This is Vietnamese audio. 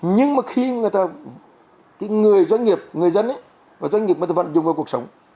nhưng mà khi người doanh nghiệp người dân doanh nghiệp vẫn dùng vào cuộc sống